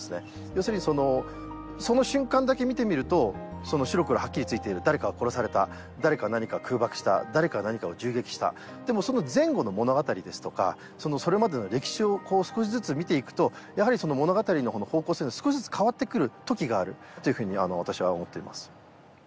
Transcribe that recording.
要するにその瞬間だけ見てみると白黒はっきりついている誰かが殺された誰かが何かを空爆した誰かが何かを銃撃したでもその前後の物語ですとかそれまでの歴史を少しずつ見ていくとやはりその物語の方向性が少しずつ変わってくる時があるというふうに私は思っています